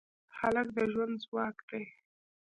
هلک د ژوند ځواک دی.